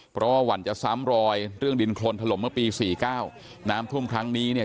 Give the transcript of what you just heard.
เพราะวันจะซ้ำรอยเรื่องดินคลนถล่มเมื่อปี๔๙น้ำทุ่มครั้งนี้เนี่ย